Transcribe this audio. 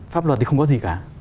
pháp luật thì không có gì cả